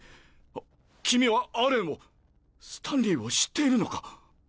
あっ君はアレンをスタンリーを知っているのか？